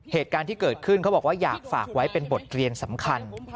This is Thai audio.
เหตุการณ์ที่เกิดขึ้นเขาบอกว่าอยากฝากไว้เป็นบทเรียนสำคัญ